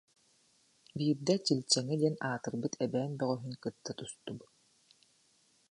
Биирдэ Чилчэҥэ диэн аатырбыт эбээн бөҕөһүн кытта тустубут